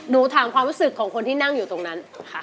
หนูถามความรู้สึกของคนที่นั่งอยู่ตรงนั้นค่ะ